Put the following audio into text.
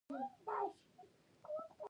کتاب او سنت لیکلي بڼه له مسلمانانو سره شته.